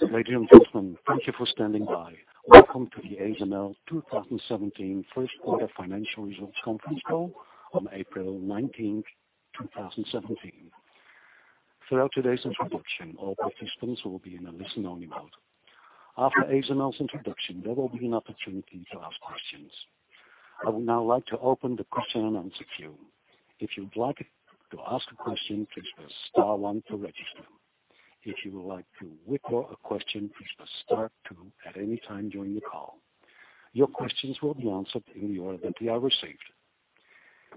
Ladies and gentlemen, thank you for standing by. Welcome to the ASML 2017 first quarter financial results conference call on April 19, 2017. Throughout today's introduction, all participants will be in a listen-only mode. After ASML's introduction, there will be an opportunity to ask questions. I would now like to open the question-and-answer queue. If you'd like to ask a question, please press star one to register. If you would like to withdraw a question, please press star two at any time during the call. Your questions will be answered in the order that they are received.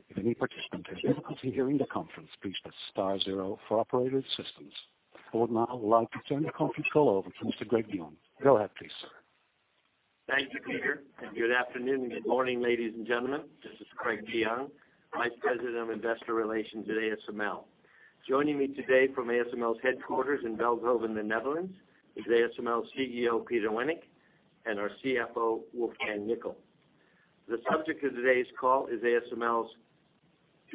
If any participant has difficulty hearing the conference, please press star zero for operator assistance. I would now like to turn the conference call over to Mr. Craig DeYoung. Go ahead, please, sir. Thank you, Peter. Good afternoon and good morning, ladies and gentlemen. This is Craig DeYoung, Vice President of Investor Relations at ASML. Joining me today from ASML's headquarters in Veldhoven, the Netherlands, is ASML CEO, Peter Wennink, and our CFO, Wolfgang Nickl. The subject of today's call is ASML's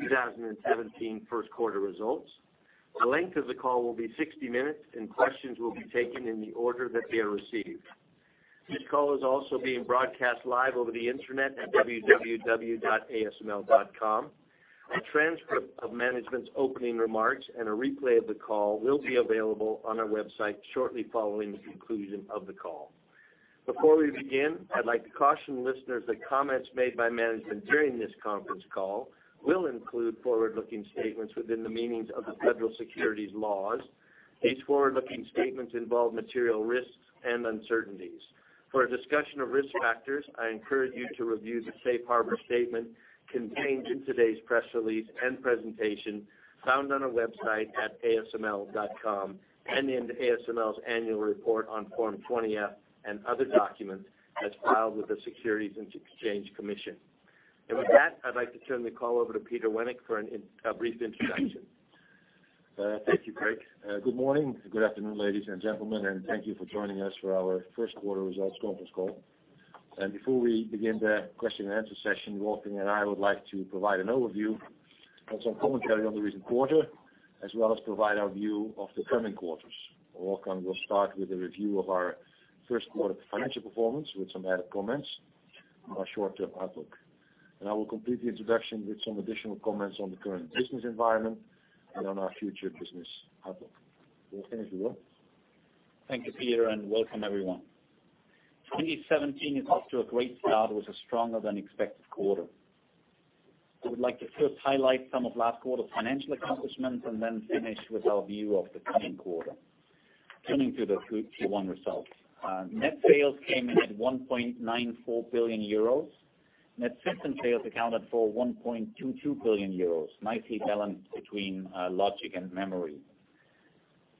2017 first-quarter results. The length of the call will be 60 minutes, and questions will be taken in the order that they are received. This call is also being broadcast live over the internet at www.asml.com. A transcript of management's opening remarks and a replay of the call will be available on our website shortly following the conclusion of the call. Before we begin, I'd like to caution listeners that comments made by management during this conference call will include forward-looking statements within the meanings of the federal securities laws. These forward-looking statements involve material risks and uncertainties. For a discussion of risk factors, I encourage you to review the safe harbor statement contained in today's press release and presentation, found on our website at asml.com, and in ASML's annual report on Form 20-F and other documents as filed with the Securities and Exchange Commission. With that, I'd like to turn the call over to Peter Wennink for a brief introduction. Thank you, Craig. Good morning. Good afternoon, ladies and gentlemen. Thank you for joining us for our first-quarter results conference call. Before we begin the question-and-answer session, Wolfgang and I would like to provide an overview and some commentary on the recent quarter, as well as provide our view of the coming quarters. Wolfgang will start with a review of our first quarter financial performance, with some added comments on our short-term outlook. Then I will complete the introduction with some additional comments on the current business environment and on our future business outlook. Wolfgang, if you will. Thank you, Peter, and welcome everyone. 2017 is off to a great start with a stronger than expected quarter. I would like to first highlight some of last quarter's financial accomplishments, and then finish with our view of the coming quarter. Turning to the Q1 results. Net sales came in at 1.94 billion euros. Net system sales accounted for 1.22 billion euros, nicely balanced between logic and memory.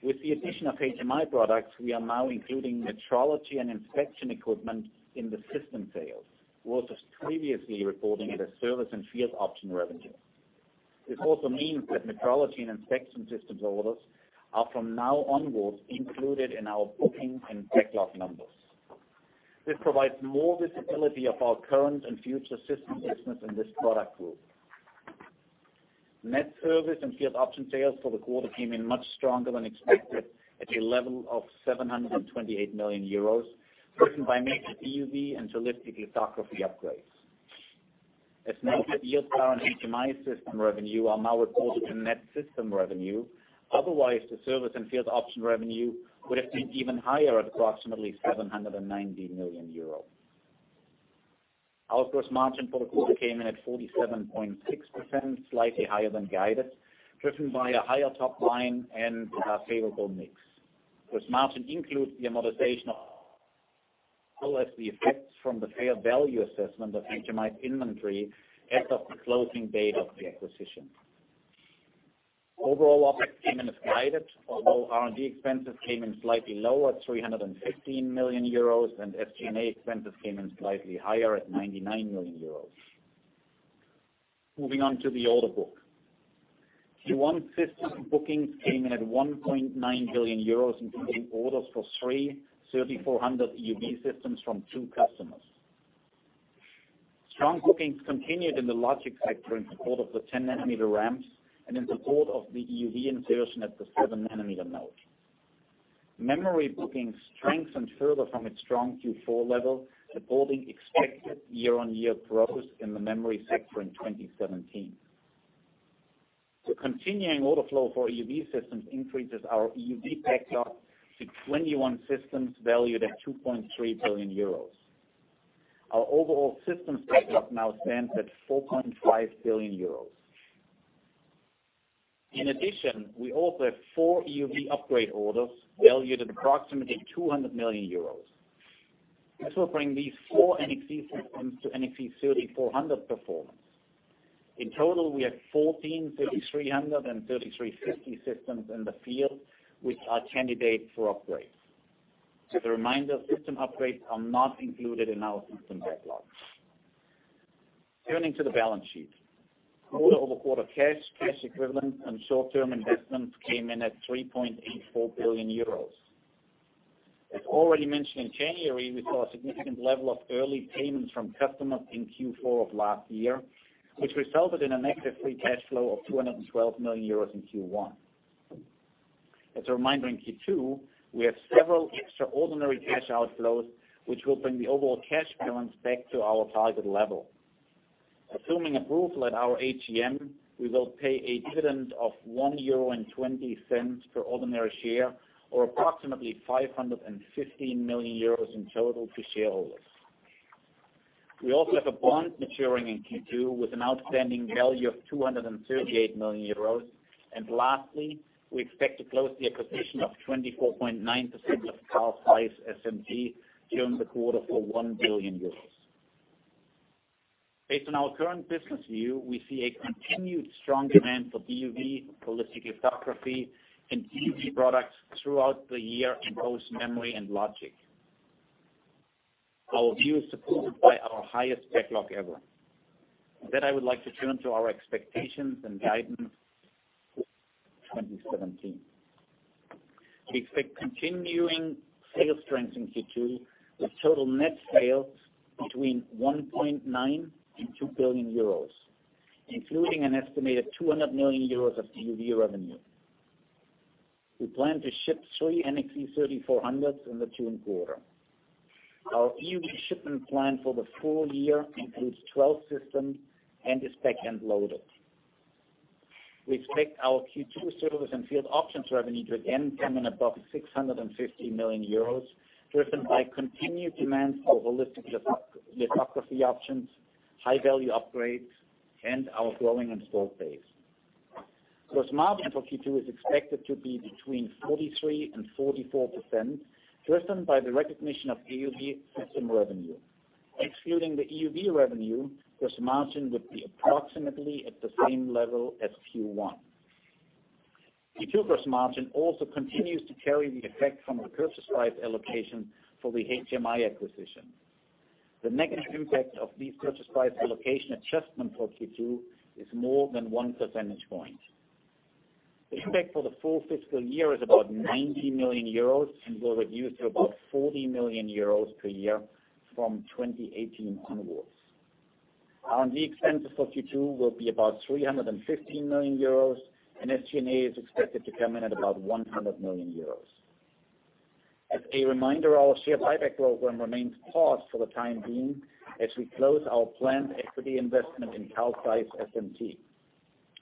With the addition of HMI products, we are now including metrology and inspection equipment in the system sales, what was previously reported as service and field option revenue. This also means that metrology and inspection system orders are from now onwards included in our bookings and backlog numbers. This provides more visibility of our current and future system business in this product group. Net service and field option sales for the quarter came in much stronger than expected, at a level of 728 million euros, driven by mixed EUV and holistic lithography upgrades. As noted, year-to-date HMI system revenue are now reported in net system revenue. Otherwise, the service and field option revenue would have been even higher at approximately 790 million euros. Our gross margin for the quarter came in at 47.6%, slightly higher than guided, driven by a higher top line and a favorable mix. Gross margin includes the amortization of the effects from the fair value assessment of HMI's inventory as of the closing date of the acquisition. Overall, OpEx came in as guided, although R&D expenses came in slightly lower at 315 million euros, and SG&A expenses came in slightly higher at 99 million euros. Moving on to the order book. Q1 system bookings came in at 1.9 billion euros, including orders for 3 3400 EUV systems from 2 customers. Strong bookings continued in the logic sector in support of the 10-nanometer ramps and in support of the EUV insertion at the 7-nanometer node. Memory bookings strengthened further from its strong Q4 level, supporting expected year-on-year growth in the memory sector in 2017. The continuing order flow for EUV systems increases our EUV backlog to 21 systems valued at 2.3 billion euros. Our overall systems backlog now stands at 4.5 billion euros. In addition, we also have 4 EUV upgrade orders valued at approximately 200 million euros. This will bring these 4 NXE systems to NXE: 3400 performance. In total, we have 14 3300 and 3350 systems in the field, which are candidates for upgrades. As a reminder, system upgrades are not included in our system backlog. Turning to the balance sheet. Order over quarter cash equivalents, and short-term investments came in at 3.84 billion euros. As already mentioned in January, we saw a significant level of early payments from customers in Q4 of last year, which resulted in a negative free cash flow of 212 million euros in Q1. As a reminder, in Q2, we have several extraordinary cash outflows, which will bring the overall cash balance back to our target level. Assuming approval at our AGM, we will pay a dividend of 1.20 euro per ordinary share, or approximately 515 million euros in total to shareholders. We also have a bond maturing in Q2 with an outstanding value of 238 million euros. Lastly, we expect to close the acquisition of 24.9% of Carl Zeiss SMT during the quarter for 1 billion euros. Based on our current business view, we see a continued strong demand for DUV, holistic lithography, and EUV products throughout the year in both memory and logic. Our view is supported by our highest backlog ever. With that, I would like to turn to our expectations and guidance for 2017. We expect continuing sales trends in Q2 with total net sales between 1.9 billion and 2 billion euros, including an estimated 200 million euros of EUV revenue. We plan to ship three NXE:3400s in the June quarter. Our EUV shipment plan for the full year includes 12 systems and is back-end loaded. We expect our Q2 service and field options revenue to again come in above 650 million euros, driven by continued demand for holistic lithography options, high-value upgrades, and our growing installed base. Gross margin for Q2 is expected to be between 43% and 44%, driven by the recognition of EUV system revenue. Excluding the EUV revenue, gross margin would be approximately at the same level as Q1. Q2 gross margin also continues to carry the effect from the purchase price allocation for the HMI acquisition. The negative impact of these purchase price allocation adjustments for Q2 is more than one percentage point. The impact for the full fiscal year is about 90 million euros and will reduce to about 40 million euros per year from 2018 onwards. R&D expenses for Q2 will be about 315 million euros, and SG&A is expected to come in at about 100 million euros. As a reminder, our share buyback program remains paused for the time being as we close our planned equity investment in Carl Zeiss SMT.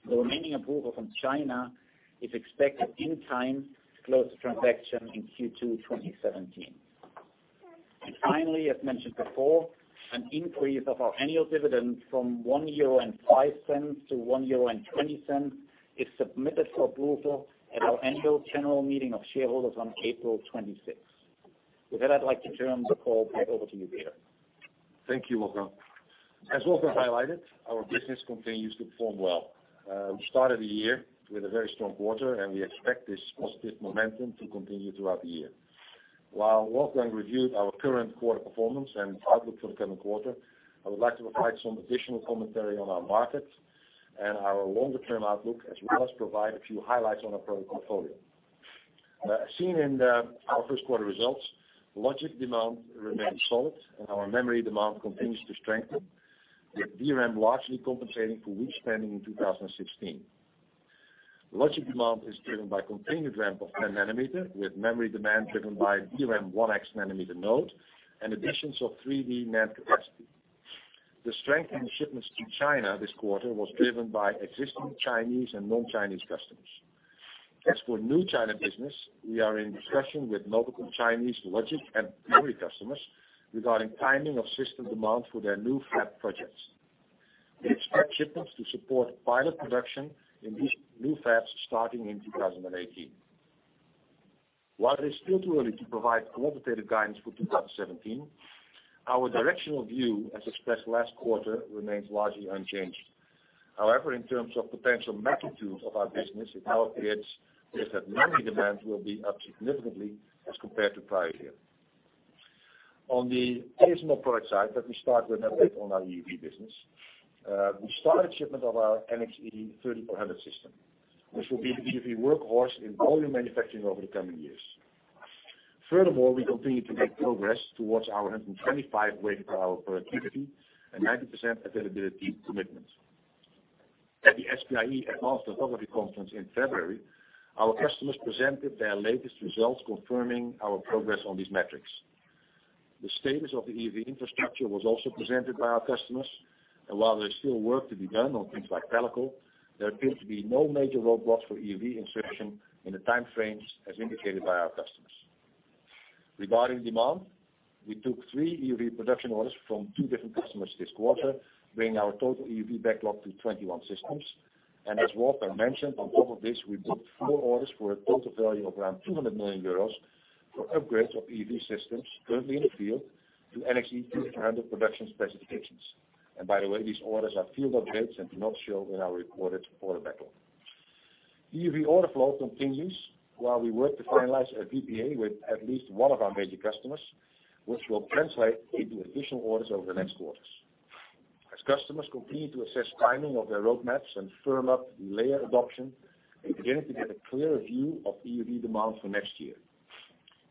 The remaining approval from China is expected in time to close the transaction in Q2 2017. Finally, as mentioned before, an increase of our annual dividend from 1.05 euro to 1.20 euro is submitted for approval at our annual general meeting of shareholders on April 26th. With that, I'd like to turn the call back over to you, Peter. Thank you, Wolfgang. As Walter highlighted, our business continues to perform well. We started the year with a very strong quarter, and we expect this positive momentum to continue throughout the year. While Walter reviewed our current quarter performance and outlook for the coming quarter, I would like to provide some additional commentary on our markets and our longer-term outlook, as well as provide a few highlights on our product portfolio. As seen in our first quarter results, logic demand remains solid, and our memory demand continues to strengthen, with DRAM largely compensating for weak spending in 2016. Logic demand is driven by continued ramp of 10-nanometer, with memory demand driven by DRAM 1x-nanometer node and additions of 3D NAND capacity. The strength in shipments to China this quarter was driven by existing Chinese and non-Chinese customers. As for new China business, we are in discussion with multiple Chinese logic and memory customers regarding timing of system demand for their new fab projects. We expect shipments to support pilot production in these new fabs starting in 2018. While it is still too early to provide quantitative guidance for 2017, our directional view, as expressed last quarter, remains largely unchanged. However, in terms of potential magnitude of our business, it now appears that memory demand will be up significantly as compared to prior year. On the ASML product side, let me start with an update on our EUV business. We started shipment of our NXE:3400 system, which will be the EUV workhorse in volume manufacturing over the coming years. Furthermore, we continue to make progress towards our 125 wafers per hour productivity and 90% availability commitment. At the SPIE Advanced Lithography Conference in February, our customers presented their latest results confirming our progress on these metrics. The status of the EUV infrastructure was also presented by our customers, while there is still work to be done on things like pellicle, there appears to be no major roadblocks for EUV insertion in the time frames as indicated by our customers. Regarding demand, we took three EUV production orders from two different customers this quarter, bringing our total EUV backlog to 21 systems. As Walter mentioned, on top of this, we booked four orders for a total value of around 200 million euros for upgrades of EUV systems currently in the field to NXE:3400 production specifications. By the way, these orders are field upgrades and do not show in our recorded order backlog. EUV order flow continues while we work to finalize a PPA with at least one of our major customers, which will translate into additional orders over the next quarters. As customers continue to assess timing of their roadmaps and firm up layer adoption, we are beginning to get a clearer view of EUV demand for next year.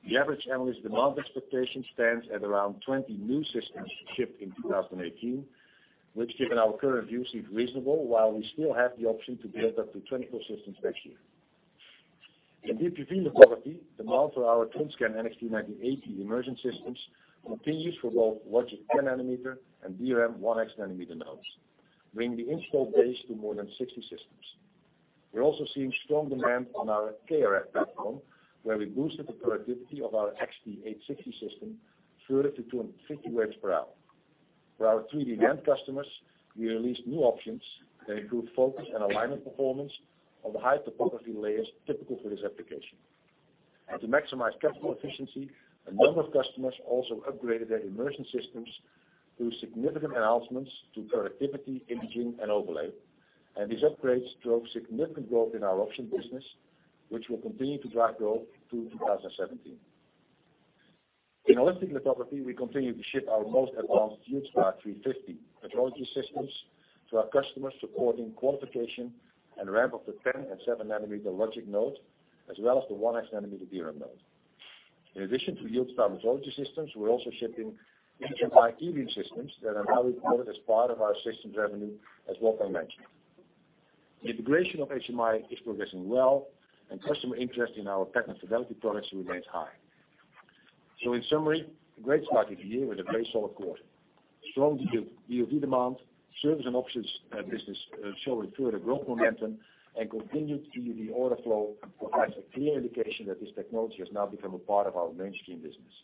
The average analyst demand expectation stands at around 20 new systems shipped in 2018, which, given our current views, is reasonable, while we still have the option to build up to 24 systems next year. In deep UV lithography, demand for our TWINSCAN NXT980 immersion systems continues for both logic 10 nanometer and DRAM 1x-nanometer nodes, bringing the installed base to more than 60 systems. We are also seeing strong demand on our KrF platform, where we boosted the productivity of our XT860 system further to 250 waves per hour. For our 3D NAND customers, we released new options that improve focus and alignment performance on the high topography layers typical for this application. To maximize capital efficiency, a number of customers also upgraded their immersion systems through significant enhancements to productivity, imaging, and overlay. These upgrades drove significant growth in our option business, which will continue to drive growth through 2017. In holistic lithography, we continue to ship our most advanced YieldStar 350 metrology systems to our customers supporting qualification and ramp up to 10 and seven nanometer logic node, as well as the 1x-nanometer DRAM node. In addition to YieldStar metrology systems, we are also shipping HMI eScan systems that are now reported as part of our systems revenue, as Wolfgang mentioned. The integration of HMI is progressing well, and customer interest in our pattern fidelity products remains high. In summary, a great start to the year with a very solid quarter. Strong EUV demand, service and options business showing further growth momentum, and continued EUV order flow provides a clear indication that this technology has now become a part of our mainstream business.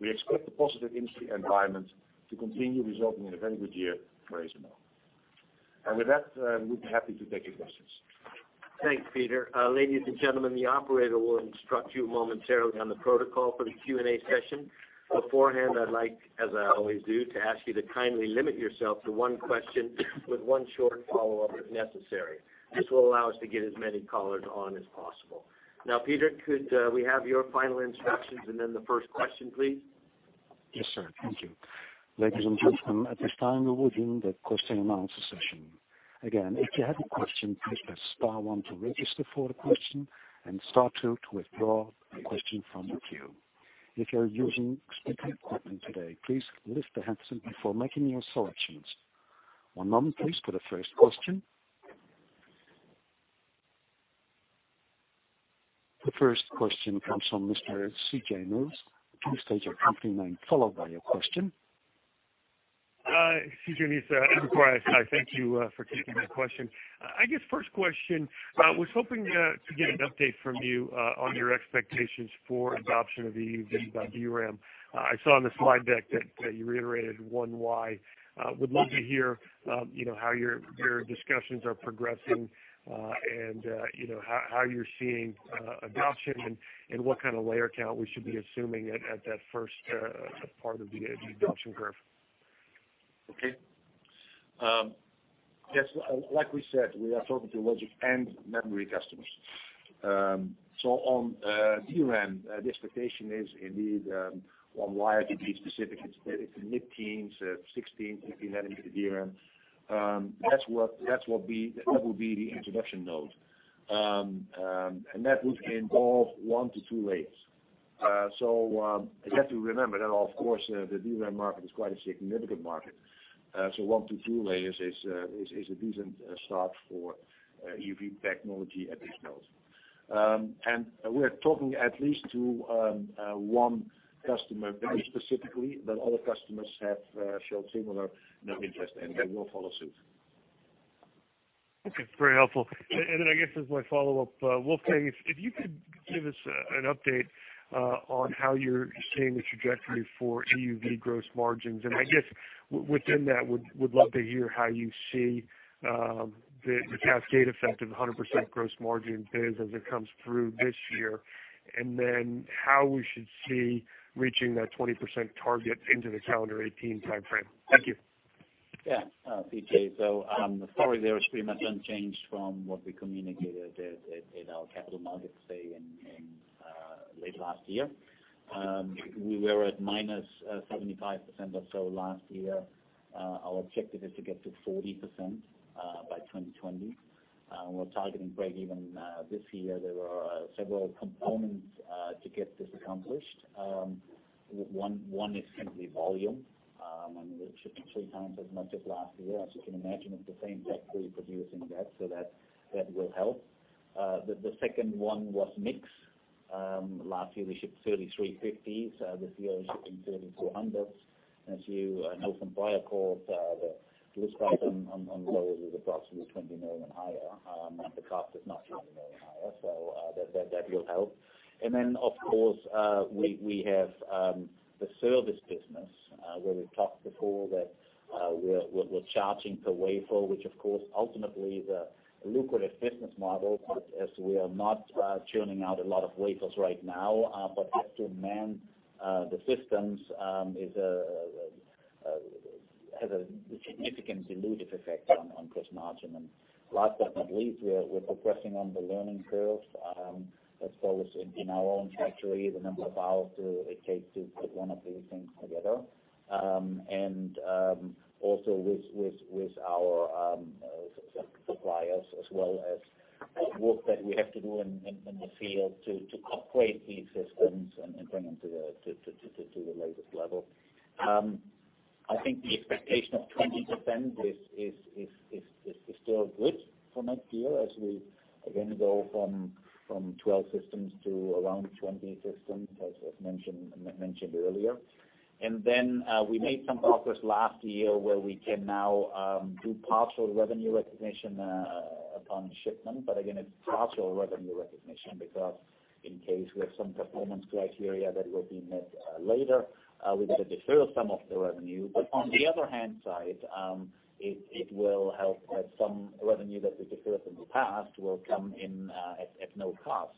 We expect the positive industry environment to continue resulting in a very good year for ASML. With that, we'd be happy to take your questions. Thanks, Peter. Ladies and gentlemen, the operator will instruct you momentarily on the protocol for the Q&A session. Beforehand, I'd like, as I always do, to ask you to kindly limit yourself to one question with one short follow-up if necessary. This will allow us to get as many callers on as possible. Peter, could we have your final instructions and then the first question, please? Yes, sir. Thank you. Ladies and gentlemen, at this time we will begin the question and answer session. Again, if you have a question, please press star one to register for a question and star two to withdraw a question from the queue. If you're using speaker equipment today, please lift the handset before making your selections. One moment please for the first question. The first question comes from Mr. C.J. Muse. Please state your company name, followed by your question. C.J. Muse, Evercore. I thank you for taking my question. I guess first question, was hoping to get an update from you on your expectations for adoption of EUV in DRAM. I saw in the slide deck that you reiterated 1Y. Would love to hear how your discussions are progressing, and how you're seeing adoption, and what kind of layer count we should be assuming at that first part of the EUV adoption curve. Okay. Yes, like we said, we are talking to logic and memory customers. On DRAM, the expectation is indeed, 1Y to be specific, it's mid-teens, 16, 15-nanometer DRAM. That will be the introduction node. That would involve one to two layers. You have to remember that, of course, the DRAM market is quite a significant market. One to two layers is a decent start for EUV technology at this node. We're talking at least to one customer very specifically. Other customers have shown similar interest, and they will follow suit. Okay. Very helpful. I guess as my follow-up, Wolfgang, if you could give us an update on how you're seeing the trajectory for EUV gross margins. I guess within that, would love to hear how you see the cascade effect of 100% gross margin is as it comes through this year, then how we should see reaching that 20% target into the calendar 2018 timeframe. Thank you. C.J., the story there is pretty much unchanged from what we communicated at our capital markets day in late last year. We were at minus 75% or so last year. Our objective is to get to 40% by 2020. We're targeting breakeven this year. There are several components to get this accomplished. One is simply volume. We're shipping three times as much as last year. As you can imagine, it's the same factory producing that will help. The second one was mix. Last year we shipped NXE:3350B. This year we're shipping NXE:3400. As you know, from prior calls, the list price on those is approximately 20 million higher. The cost is not 20 million higher, that will help. Of course, we have the service business, where we've talked before that we're charging per wafer, which of course ultimately is a lucrative business model. As we are not churning out a lot of wafers right now, but have to man the systems, has a significant dilutive effect on gross margin. Last but not least, we're progressing on the learning curves. As always, in our own factory, the number of hours it takes to put one of these things together. Also with our suppliers as well as work that we have to do in the field to upgrade these systems and bring them to the latest level. I think the expectation of 20% is still good for next year as we again go from 12 systems to around 20 systems, as mentioned earlier. We made some progress last year where we can now do partial revenue recognition upon shipment. It's partial revenue recognition because in case we have some performance criteria that will be met later, we got to defer some of the revenue. On the other hand side, it will help that some revenue that we deferred in the past will come in at no cost.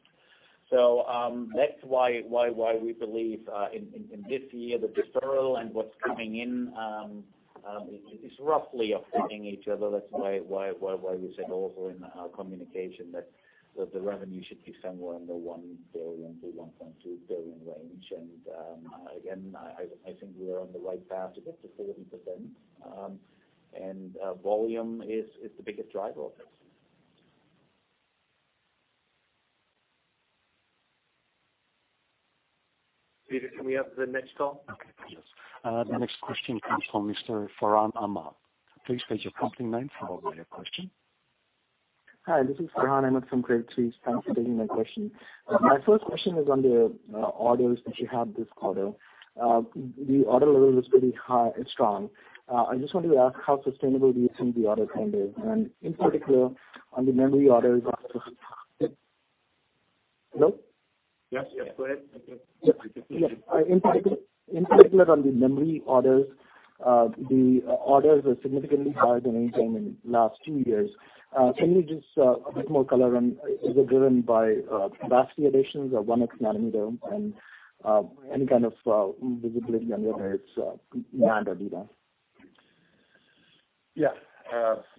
We believe, in this year, the deferral and what's coming in is roughly offsetting each other. We said also in our communication that the revenue should be somewhere in the 1 billion-1.2 billion range. I think we are on the right path to get to 40%, and volume is the biggest driver of this. Peter, can we have the next call? Okay. Yes. The next question comes from Mr. Farhan Ahmad. Please state your company name followed by your question. Hi, this is Farhan Ahmad from Credit Suisse. Thanks for taking my question. My first question is on the orders that you have this quarter. The order level is pretty high and strong. I just wanted to ask how sustainable do you think the order trend is, and in particular, on the memory orders? Hello? Yes. Go ahead. Yes. In particular on the memory orders, the orders were significantly higher than any time in last 2 years. Can you just a bit more color on, is it driven by capacity additions or 1x-nanometer and any kind of visibility on your NAND or DRAM? Yes.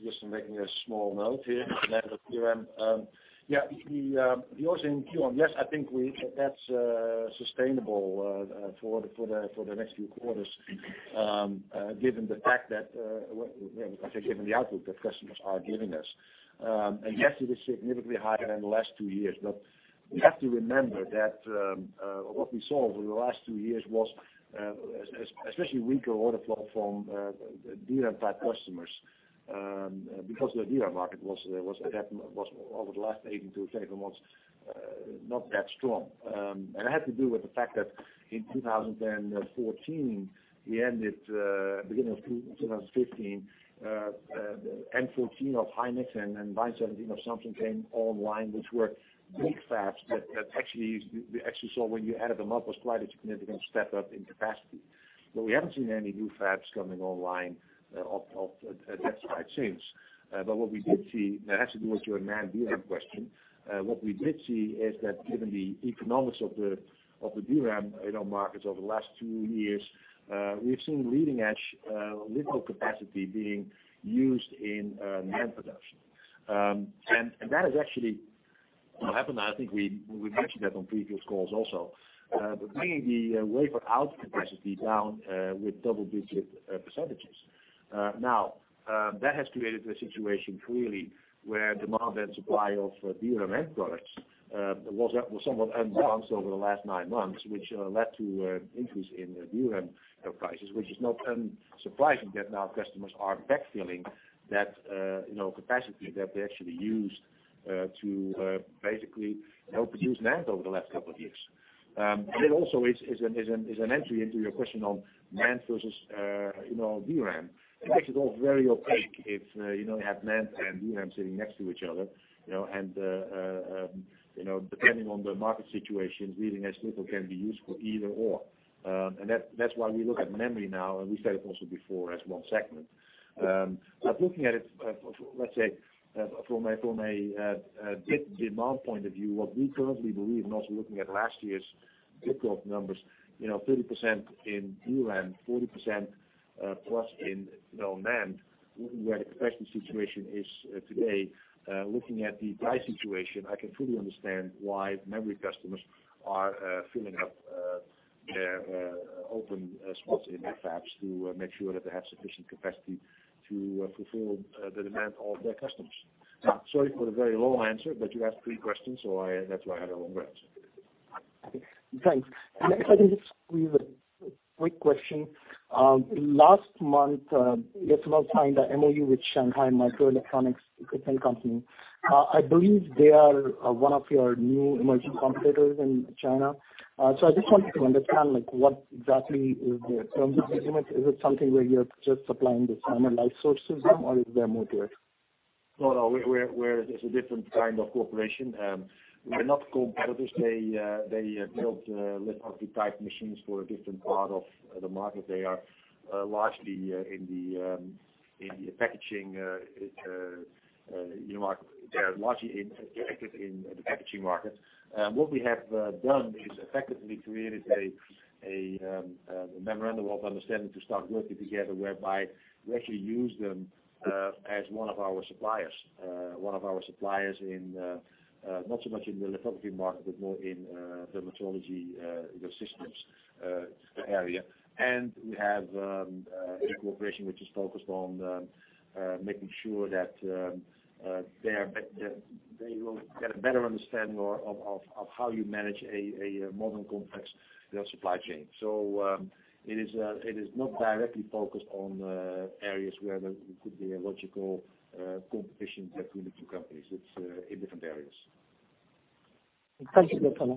Just making a small note here, NAND or DRAM. Yes, yours in Q1. Yes, I think that's sustainable for the next few quarters, given the output that customers are giving us. Yes, it is significantly higher than the last 2 years. We have to remember that what we saw over the last 2 years was especially weaker order flow from DRAM-type customers, because the DRAM market was over the last 18 to 24 months not that strong. It had to do with the fact that in 2014, we ended beginning of 2015, M14 of Hynix and then Line 17 of Samsung came online, which were big fabs that we actually saw when you added them up, was quite a significant step up in capacity. We haven't seen any new fabs coming online of that size since. What we did see, that has to do with your NAND, DRAM question. What we did see is that given the economics of the DRAM in our markets over the last 2 years, we've seen leading-edge litho capacity being used in NAND production. That is actually what happened, and I think we mentioned that on previous calls also. Bringing the wafer out capacity down with double-digit %. Now, that has created a situation clearly where demand and supply of DRAM end products was somewhat unbalanced over the last nine months, which led to increase in DRAM prices, which is not unsurprising that now customers are backfilling that capacity that they actually used to basically help produce NAND over the last couple of years. It also is an entry into your question on NAND versus DRAM. It makes it all very opaque if you have NAND and DRAM sitting next to each other, depending on the market situation, leading-edge litho can be used for either or. That's why we look at memory now, and we said it also before as one segment. Looking at it, let's say from a demand point of view, what we currently believe, and also looking at last year's [inaudible] drop numbers, 30% in DRAM, 40%+ in NAND. Looking where the capacity situation is today, looking at the price situation, I can fully understand why memory customers are filling up their open spots in their fabs to make sure that they have sufficient capacity to fulfill the demand of their customers. Sorry for the very long answer, but you asked three questions, so that's why I had a long answer. Thanks. If I can just squeeze a quick question. Last month, ASML signed a MOU with Shanghai Micro Electronics Equipment Company. I believe they are one of your new emerging competitors in China. I just wanted to understand what exactly is the terms of agreement. Is it something where you're just supplying the standard light sources, or is there more to it? No, it's a different kind of cooperation. We're not competitors. They build lithography type machines for a different part of the market. They are largely in the packaging market. What we have done is effectively created a memorandum of understanding to start working together, whereby we actually use them as one of our suppliers in Not so much in the lithography market, but more in metrology systems area. We have a cooperation which is focused on making sure that they will get a better understanding of how you manage a modern, complex supply chain. It is not directly focused on areas where there could be a logical competition between the two companies. It's in different areas. Thank you, Peter.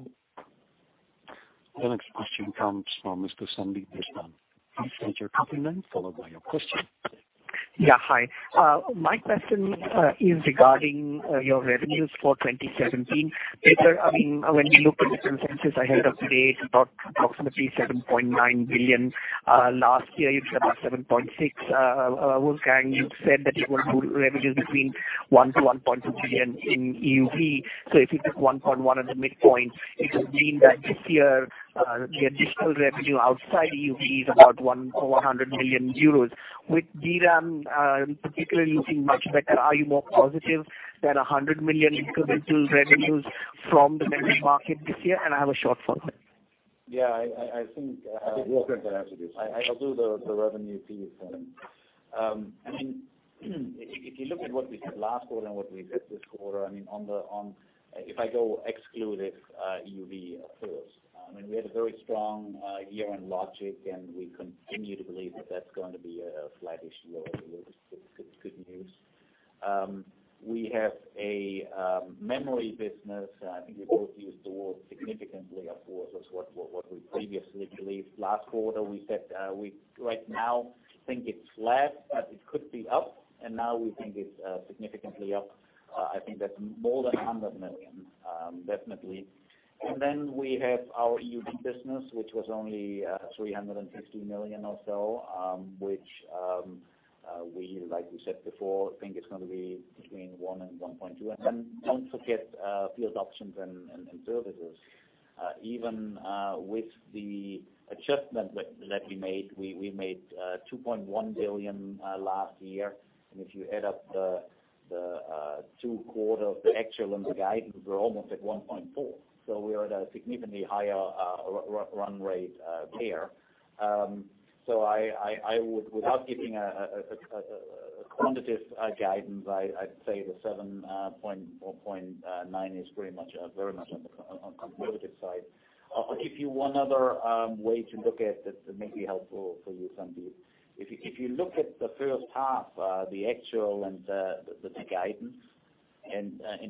The next question comes from Mr. Sandeep Deshpande. Please state your company name, followed by your question. Hi. My question is regarding your revenues for 2017. Peter, when we look at the consensus ahead of today, it's about approximately 7.9 billion. Last year it's about 7.6 billion. Wolfgang, you said that you would do revenues between 1 billion to 1.2 billion in EUV. If you took 1.1 billion at the midpoint, it would mean that this year, the additional revenue outside EUV is about EUR one or 100 million euros. With DRAM particularly looking much better, are you more positive than 100 million incremental revenues from the memory market this year? I have a short follow-up. I think Wolfgang can answer this. I'll do the revenue piece. If you look at what we said last quarter and what we said this quarter, if I go exclusive EUV first, we had a very strong year in logic, and we continue to believe that's going to be a flattish year, which is good news. We have a memory business. I think we both used the word significantly up versus what we previously believed. Last quarter, we said right now think it's flat, but it could be up, and now we think it's significantly up. I think that's more than 100 million, definitely. We have our EUV business, which was only 350 million or so, which, like we said before, think it's going to be between 1 billion and 1.2 billion. Don't forget field options and services. Even with the adjustment that we made, we made 2.1 billion last year. If you add up the two quarters, the actual and the guidance, we're almost at 1.4. We are at a significantly higher run rate there. Without giving a quantitative guidance, I'd say the 7.9 is very much on the conservative side. I'll give you one other way to look at that may be helpful for you, Sandeep. If you look at the first half, the actual and the guidance,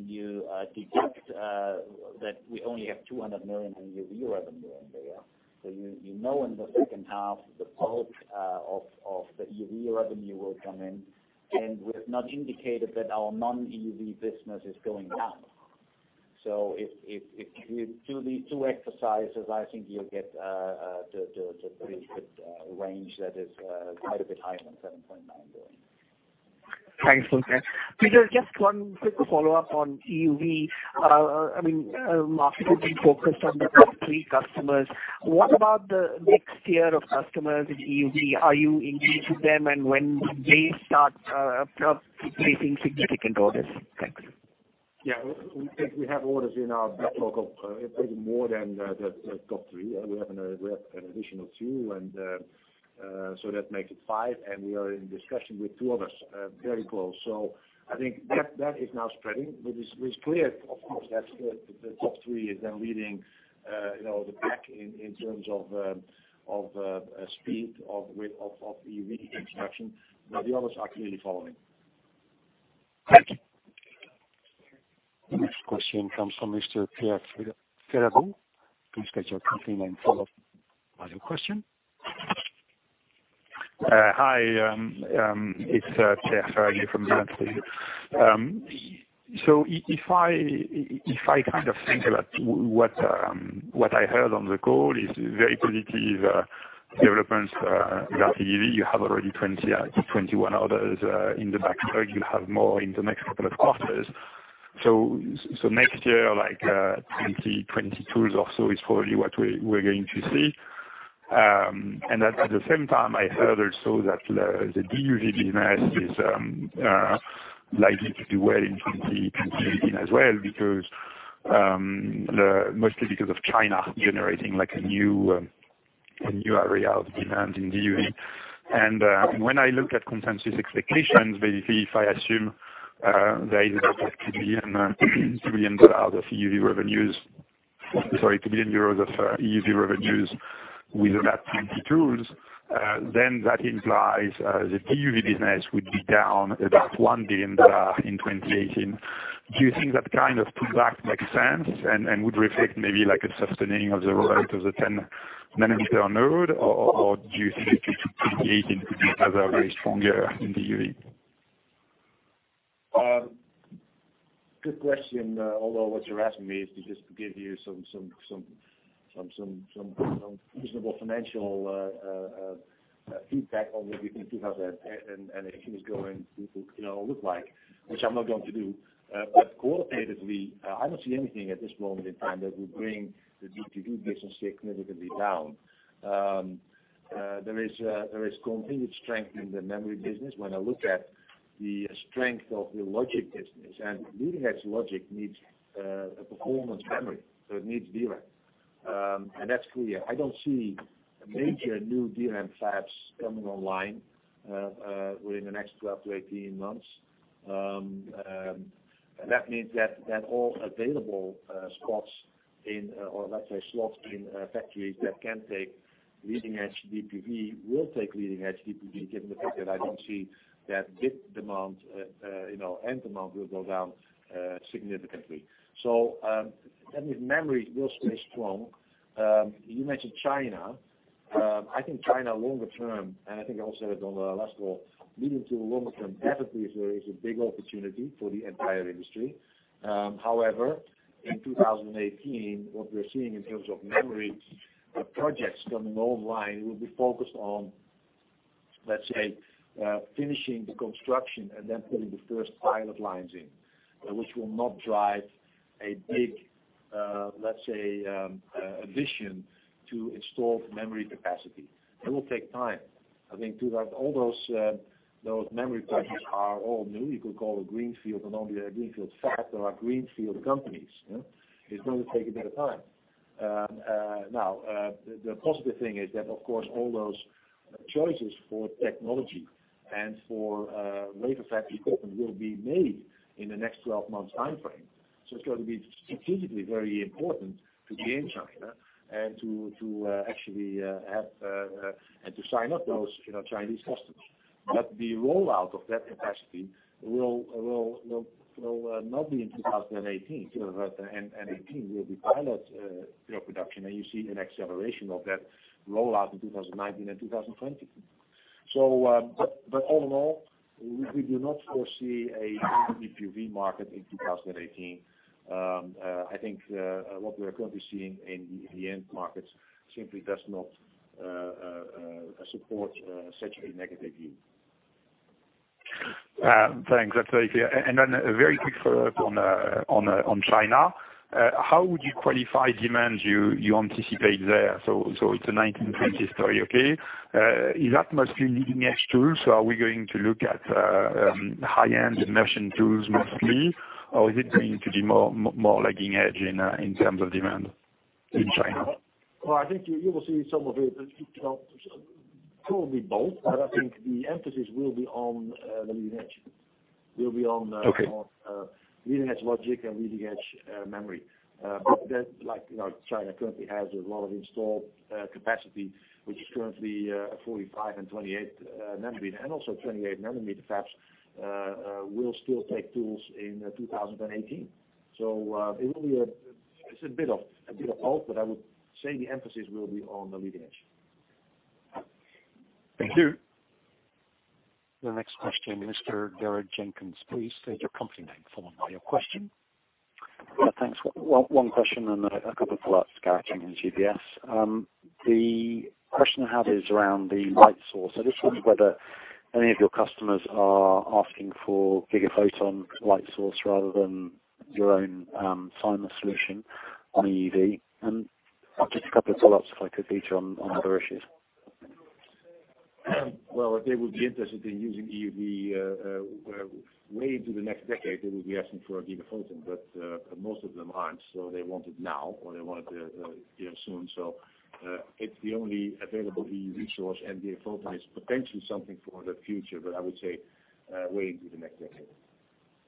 you deduct that we only have 200 million in EUV revenue in there. You know in the second half, the bulk of the EUV revenue will come in. We've not indicated that our non-EUV business is going down. If you do these two exercises, I think you'll get the pretty good range that is quite a bit higher than 7.9 billion. Thanks, Wolfgang. Peter, just one quick follow-up on EUV. Market will be focused on the top three customers. What about the next tier of customers with EUV? Are you engaged with them, and when would they start placing significant orders? Thank you. We think we have orders in our backlog of maybe more than the top three. We have an additional two, that makes it five, we are in discussion with two others, very close. I think that is now spreading, it's clear, of course, that the top three is then leading the pack in terms of speed of EUV introduction. The others are clearly following. Thank you. The next question comes from Mr. Pierre Ferragu. Please state your company name, followed by your question. Hi, it's Pierre Ferragu from Bernstein. If I think about what I heard on the call is very positive developments regarding EUV. You have already 21 orders in the backlog. You have more in the next couple of quarters. Next year, like 20, 22 or so is probably what we're going to see. At the same time, I heard also that the DUV business is likely to do well in 2018 as well, mostly because of China generating a new area of demand in DUV. When I look at consensus expectations, basically, if I assume there is about 1 billion of EUV revenues with about 20 tools, that implies the DUV business would be down about 1 billion in 2018. Do you think that kind of pullback makes sense and would reflect maybe like a sustaining of the rate of the 10-nanometer node? Do you think 2018 could be another very strong year in DUV? Good question. Although what you're asking me is to just give you some reasonable financial feedback on what we think 2018 is going to look like, which I'm not going to do. Qualitatively, I don't see anything at this moment in time that would bring the DUV business significantly down. There is continued strength in the memory business. When I look at the strength of the logic business, leading-edge logic needs a performance memory, so it needs DRAM. That's clear. I don't see major new DRAM fabs coming online within the next 12 to 18 months. That means that all available slots in factories that can take leading-edge DUV will take leading-edge DUV, given the fact that I don't see that end demand will go down significantly. That means memory will stay strong. You mentioned China. I think China longer term, and I think I also said it on the last call, leading to longer term, definitely is a big opportunity for the entire industry. However, in 2018, what we're seeing in terms of memory projects coming online will be focused on, let's say, finishing the construction and then putting the first pilot lines in, which will not drive a big addition to installed memory capacity. It will take time. I think all those memory projects are all new. You could call them greenfield, and not only are they greenfield fabs, they are greenfield companies. It's going to take a bit of time. The positive thing is that, of course, all those choices for technology and for later fab equipment will be made in the next 12 months timeframe. It's going to be strategically very important to be in China and to actually sign up those Chinese customers. The rollout of that capacity will not be in 2018. In 2018 will be pilot production, and you see an acceleration of that rollout in 2019 and 2020. All in all, we do not foresee a DUV market in 2018. I think what we are currently seeing in the end markets simply does not support such a negative view. Thanks. That's very clear. A very quick follow-up on China. How would you qualify demand you anticipate there? It's a 2019, 2020 story, okay? Is that mostly leading-edge tools? Are we going to look at high-end immersion tools mostly, or is it going to be more lagging edge in terms of demand in China? I think you will see probably both, but I think the emphasis will be on the leading edge. Okay. Leading-edge logic and leading-edge memory. China currently has a lot of installed capacity, which is currently 45-nanometer and 28-nanometer, and also 28-nanometer fabs will still take tools in 2018. It's a bit of both, but I would say the emphasis will be on the leading edge. Thank you. The next question, Mr. Gareth Jenkins, please state your company name followed by your question. Thanks. One question and a couple of follow-ups, Gareth Jenkins, UBS. The question I have is around the light source. I just wondered whether any of your customers are asking for Gigaphoton light source rather than your own [inaudible] solution on EUV? Just a couple of follow-ups, if I could, Peter, on other issues. Well, if they would be interested in using EUV way into the next decade, they would be asking for a Gigaphoton, most of them aren't. They want it now, or they want it soon. It's the only available EUV source, and Gigaphoton is potentially something for the future, but I would say way into the next decade.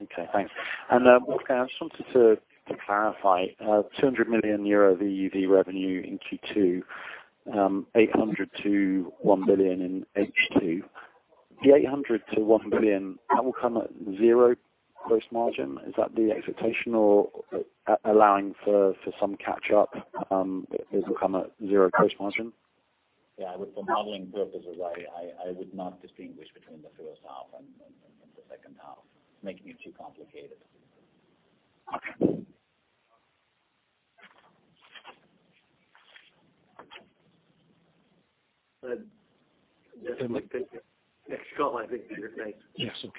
Okay, thanks. I just wanted to clarify, 200 million euro of EUV revenue in Q2, 800 million to 1 billion in H2. The 800 million to 1 billion, that will come at zero gross margin? Is that the expectation or allowing for some catch-up, it will come at zero gross margin? Yeah, for modeling purposes, I would not distinguish between the first half and the second half. It's making it too complicated. Okay. Next call, I think is next. Yes. Okay.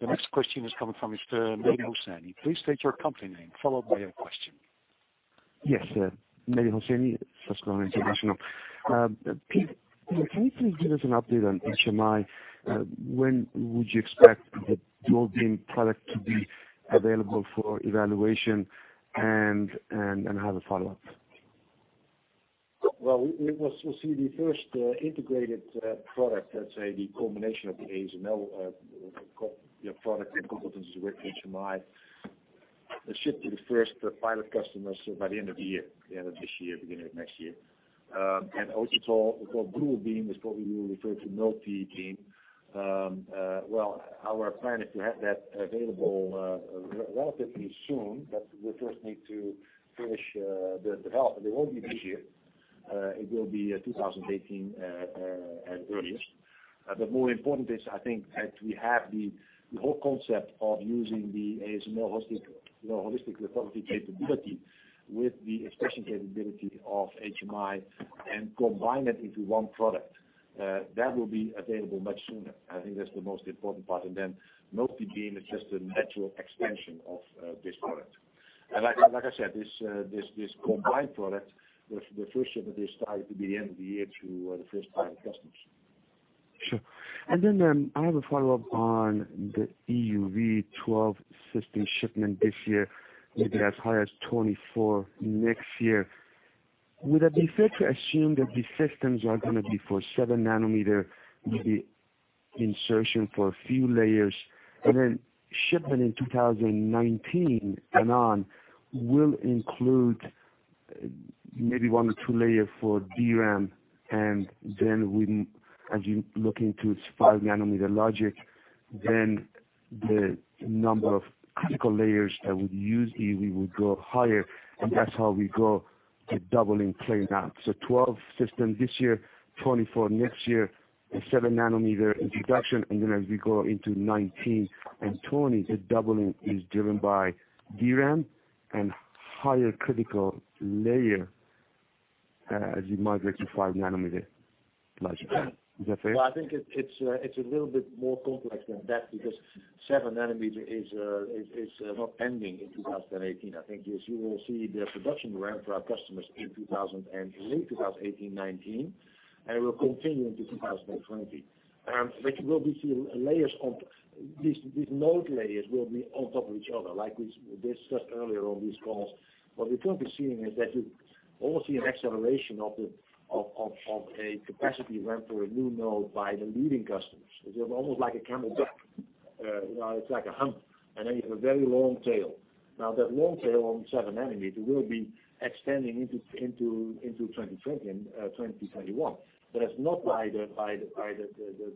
The next question is coming from Mr. Mehdi Hosseini. Please state your company name followed by your question. Yes. Mehdi Hosseini, Susquehanna International. Pete, can you please give us an update on HMI? When would you expect the dual beam product to be available for evaluation? I have a follow-up? Well, we will see the first integrated product, let's say the combination of the ASML product and competencies with HMI, shipped to the first pilot customers by the end of the year. The end of this year, beginning of next year. Also, what we call dual beam is what we refer to multi-beam. Well, our plan is to have that available relatively soon, but we first need to finish the development. It won't be this year. It will be 2018 at earliest. More important is, I think, that we have the whole concept of using the ASML holistic lithography capability with the inspection capability of HMI and combine it into one product. That will be available much sooner. I think that's the most important part. Then multi-beam is just a natural extension of this product. Like I said, this combined product, the first shipment is targeted to be end of the year to the first pilot customers. Sure. Then I have a follow-up on the EUV 12 system shipment this year, maybe as high as 24 next year. Would it be fair to assume that these systems are going to be for 7-nanometer, maybe insertion for a few layers, and then shipment in 2019 and on will include maybe one or two layer for DRAM, and as you look into 5-nanometer logic, the number of critical layers that would use EUV would go higher, and that's how we go to doubling playing out. 12 systems this year, 24 next year, and 7-nanometer introduction, and as we go into 2019 and 2020, the doubling is driven by DRAM and higher critical layer as you migrate to 5-nanometer logic. Is that fair? Well, I think it's a little bit more complex than that because 7-nanometer is not ending in 2018. I think as you will see the production ramp for our customers in 2018, 2019, and it will continue into 2020, which will be seeing layers. These node layers will be on top of each other, like we discussed earlier on these calls. What we will be seeing is that you almost see an acceleration of a capacity ramp for a new node by the leading customers. It's almost like a camelback. It's like a hump. Then you have a very long tail. Now, that long tail on 7-nanometer will be extending into 2020 and 2021. It's not by the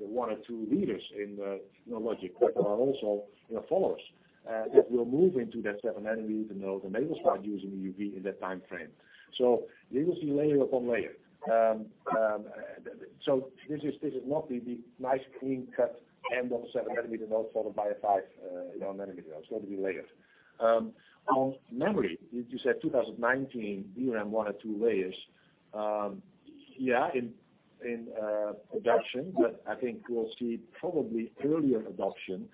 one or two leaders in logic, but there are also followers. We'll move into that 7-nanometer node, and they will start using EUV in that timeframe. We will see layer upon layer. This is not the nice clean-cut end of the 7-nanometer node followed by a 5-nanometer node. It's going to be layered. On memory, you said 2019, DRAM one or two layers. Yeah, in production, I think we'll see probably earlier adoption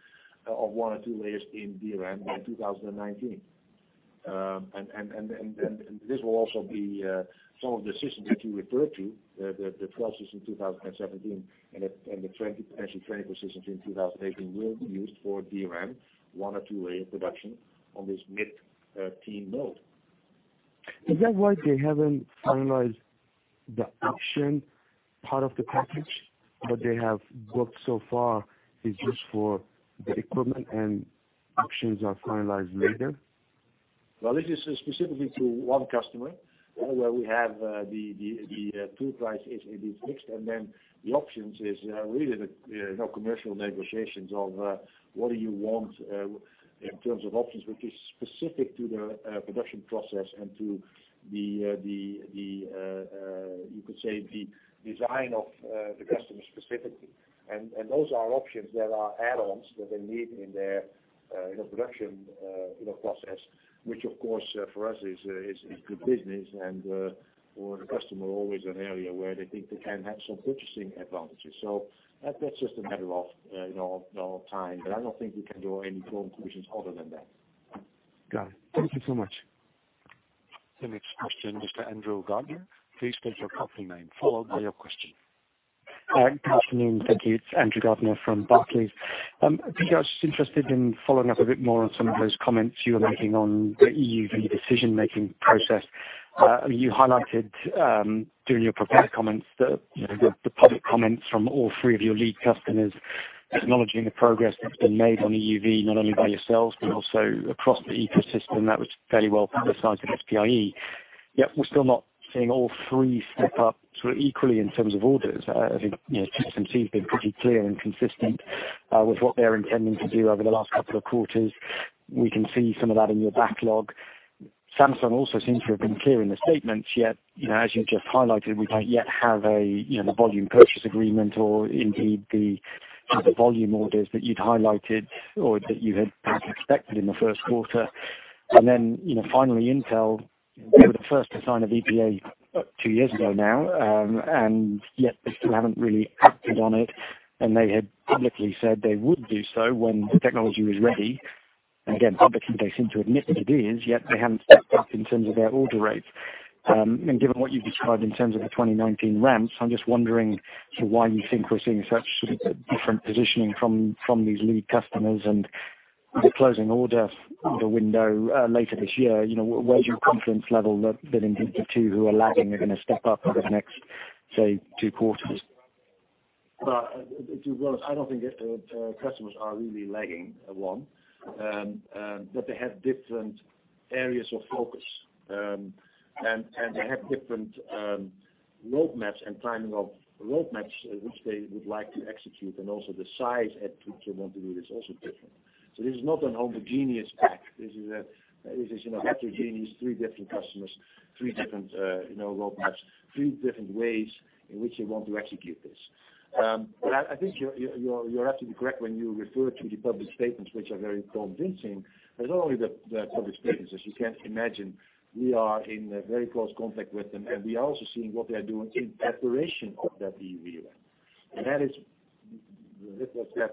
of one or two layers in DRAM by 2019. This will also be some of the systems that you referred to, the 12 systems in 2017 and the 20 potential 24 systems in 2018 will be used for DRAM, one or two-layer production on this mid-teens node. Is that why they haven't finalized the options part of the package? What they have booked so far is just for the equipment and actions are finalized later? This is specifically to one customer, where we have the tool price is fixed, the options is really the commercial negotiations of what do you want in terms of options, which is specific to the production process and to the, you could say, the design of the customer specifically. Those are options that are add-ons that they need in their production process, which, of course, for us is good business and for the customer, always an area where they think they can have some purchasing advantages. That's just a matter of time. I don't think we can draw any firm conclusions other than that. Got it. Thank you so much. The next question, Mr. Andrew Gardiner, please state your company name, followed by your question. Good afternoon. Thank you. It's Andrew Gardiner from Barclays. I think I was just interested in following up a bit more on some of those comments you were making on the EUV decision-making process. You highlighted during your prepared comments the public comments from all three of your lead customers acknowledging the progress that's been made on EUV, not only by yourselves, but also across the ecosystem that was fairly well publicized at SPIE. Yet, we're still not seeing all three step up sort of equally in terms of orders. I think TSMC has been pretty clear and consistent with what they're intending to do over the last couple of quarters. We can see some of that in your backlog. Samsung also seems to have been clear in their statements, yet, as you just highlighted, we don't yet have the Volume Purchase Agreement or indeed the kind of volume orders that you'd highlighted or that you had expected in the first quarter. Finally, Intel, they were the first to sign a VPA two years ago now, yet they still haven't really acted on it, and they had publicly said they would do so when the technology was ready. Again, publicly, they seem to admit that it is, yet they haven't stepped up in terms of their order rates. Given what you've described in terms of the 2019 ramps, I'm just wondering why you think we're seeing such sort of different positioning from these lead customers and the closing order, the window later this year, where's your confidence level that the two who are lagging are going to step up over the next, say, two quarters? Well, to be honest, I don't think customers are really lagging, one. They have different areas of focus, they have different roadmaps and timing of roadmaps which they would like to execute, also the size at which they want to do it is also different. This is not a homogeneous pack. This is a heterogeneous, three different customers, three different roadmaps, three different ways in which they want to execute this. I think you're absolutely correct when you refer to the public statements, which are very convincing. Not only the public statements, as you can imagine, we are in very close contact with them, and we are also seeing what they are doing in preparation of that EUV ramp.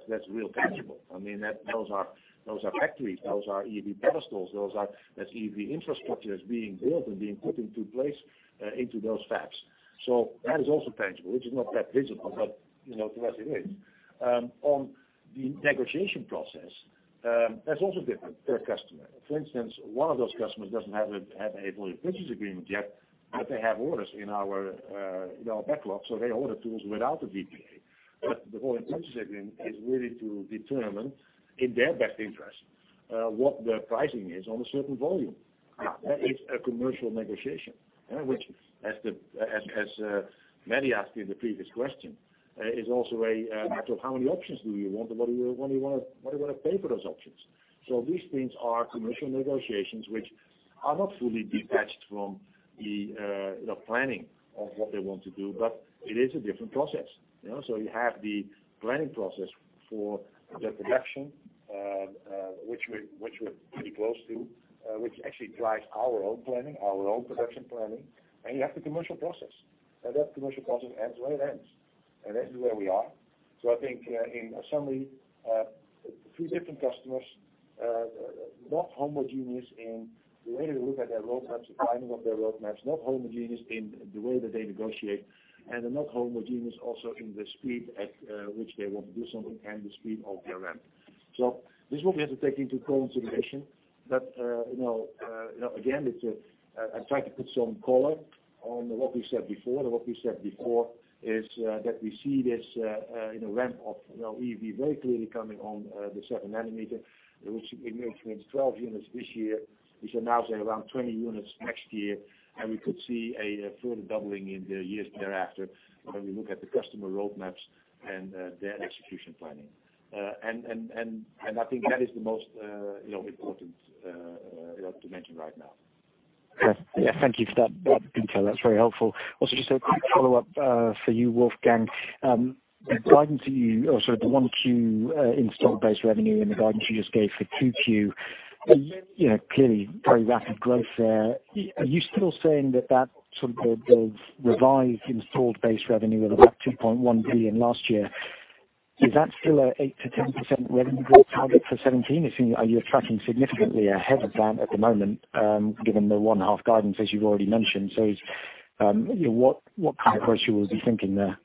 That's real tangible. Those are factories, those are EUV pedestals. That's EUV infrastructure that's being built and being put into place, into those fabs. That is also tangible, which is not that visible, but to us it is. On the negotiation process, that's also different per customer. For instance, one of those customers doesn't have a Volume Purchase Agreement yet, they have orders in our backlog, they order tools without a VPA. The Volume Purchase Agreement is really to determine, in their best interest, what the pricing is on a certain volume. That is a commercial negotiation. Which, as Mehdi asked you in the previous question, is also a matter of how many options do you want, and what do you want to pay for those options? These things are commercial negotiations, which are not fully detached from the planning of what they want to do, it is a different process. You have the planning process for the production, which we're pretty close to, which actually drives our own production planning. You have the commercial process. That commercial process ends when it ends, and this is where we are. I think in summary, three different customers, not homogeneous in the way they look at their roadmaps, the timing of their roadmaps, not homogeneous in the way that they negotiate, and they're not homogeneous also in the speed at which they want to do something and the speed of their ramp. This is what we have to take into consideration. Again, I try to put some color on what we said before, and what we said before is that we see this ramp of EUV very clearly coming on the 7-nanometer, which we make maybe 12 units this year. We should now say around 20 units next year, and we could see a further doubling in the years thereafter when we look at the customer roadmaps and their execution planning. I think that is the most important to mention right now. Yeah. Thank you for that intel. That's very helpful. Also, just a quick follow-up for you, Wolfgang. The guidance that you Sorry, the 1Q installed base revenue and the guidance you just gave for 2Q, clearly very rapid growth there. Are you still saying that that sort of revised installed base revenue of about 2.1 billion last year, is that still an 8%-10% revenue growth target for 2017? Are you tracking significantly ahead of that at the moment, given the one-half guidance as you've already mentioned? What kind of growth you would be thinking there?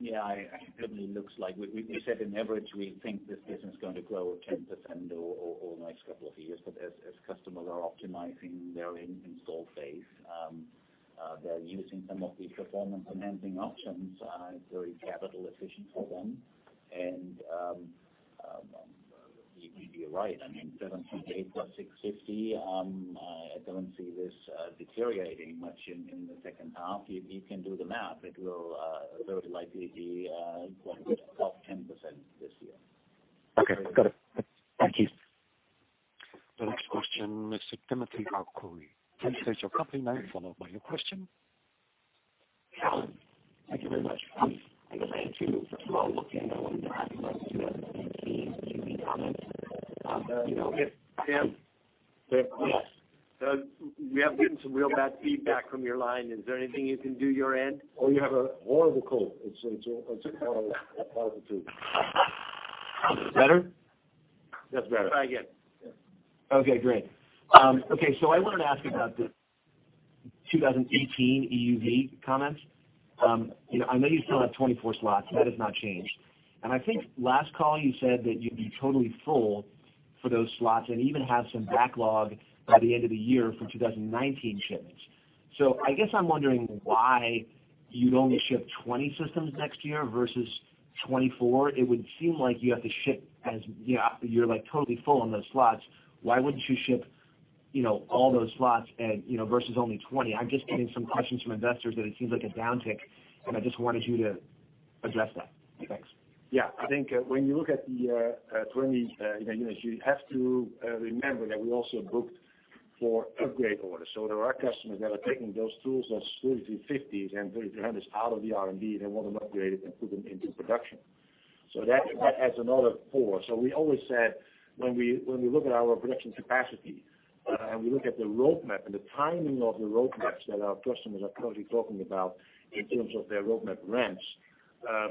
Yeah. It certainly looks like. We said in average, we think this business is going to grow 10% over the next couple of years. As customers are optimizing their installed base, they're using some of these performance-enhancing options. It's very capital efficient for them. You'd be right. I mean, 7.8 billion plus 650 million, I don't see this deteriorating much in the second half. You can do the math. It will very likely be above 10% this year. Okay. Got it. Thank you. The next question is Timothy Arcuri. Please state your company name followed by your question. Thank you very much. I guess I have two. First of all, Wolfgang, I wanted to ask you about the 2018 EUV comments. Yes. We have gotten some real bad feedback from your line. Is there anything you can do your end? You have a horrible cold. It's one of the two. Better? That's better. Try again. Okay, great. I wanted to ask about the 2018 EUV comments. I know you still have 24 slots. That has not changed. I think last call, you said that you'd be totally full for those slots and even have some backlog by the end of the year for 2019 shipments. I guess I'm wondering why you'd only ship 20 systems next year versus 24. It would seem like you have to ship as You're totally full on those slots. Why wouldn't you ship all those slots versus only 20? I'm just getting some questions from investors that it seems like a downtick, and I just wanted you to address that. Thanks. Yeah. I think when you look at the 20 units, you have to remember that we also booked four upgrade orders. There are customers that are taking those tools, those 3350s and 3300s out of the R&D. They want them upgraded and put them into production. That adds another four. We always said, when we look at our production capacity, and we look at the roadmap and the timing of the roadmaps that our customers are currently talking about in terms of their roadmap ramps,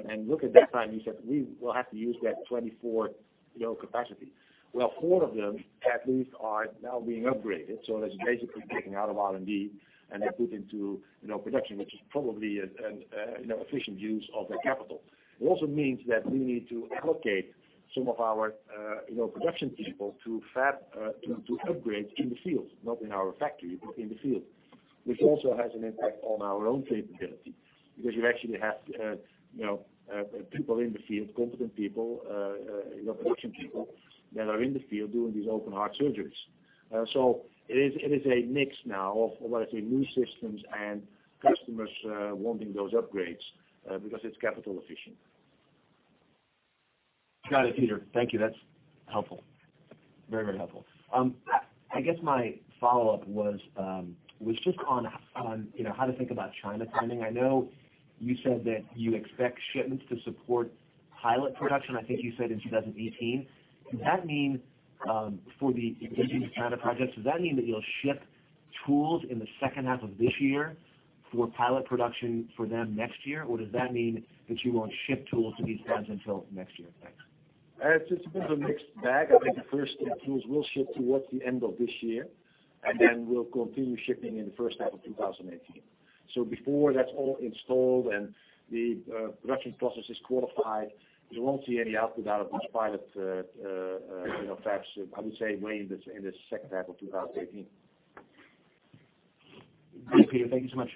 and look at that timing, said, "We will have to use that 24 capacity." Well, four of them, at least, are now being upgraded. That's basically taken out of R&D and then put into production, which is probably an efficient use of their capital. It also means that we need to allocate some of our production people to fab, to upgrade in the field, not in our factory, but in the field. Which also has an impact on our own capability, because you actually have people in the field, competent people, production people that are in the field doing these open heart surgeries. It is a mix now of, I want to say, new systems and customers wanting those upgrades, because it's capital efficient. Got it, Peter. Thank you. That's helpful. Very helpful. I guess my follow-up was just on how to think about China timing. I know you said that you expect shipments to support pilot production, I think you said in 2018. For the existing China projects, does that mean that you'll ship tools in the second half of this year for pilot production for them next year? Or does that mean that you won't ship tools to these guys until next year? Thanks. It's been a mixed bag. I think the first tools will ship towards the end of this year, and then we'll continue shipping in the first half of 2018. Before that's all installed and the production process is qualified, you won't see any output out of these pilot fabs, I would say, way in the second half of 2018. Great, Peter. Thank you so much.